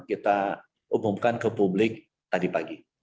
kita umumkan ke publik tadi pagi